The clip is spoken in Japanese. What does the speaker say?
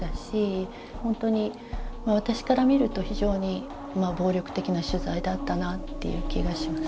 ほんとに私から見ると非常に暴力的な取材だったなっていう気がします。